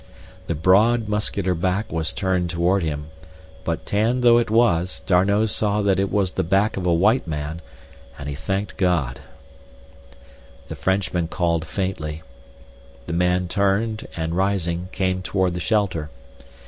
The broad, muscular back was turned toward him, but, tanned though it was, D'Arnot saw that it was the back of a white man, and he thanked God. The Frenchman called faintly. The man turned, and rising, came toward the shelter.